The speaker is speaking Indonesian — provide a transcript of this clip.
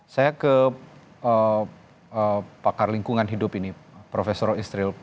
saya ke pakar lingkungan hidup ini prof isril